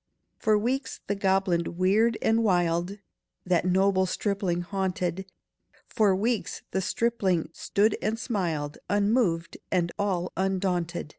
For weeks the goblin weird and wild, That noble stripling haunted; For weeks the stripling stood and smiled, Unmoved and all undaunted.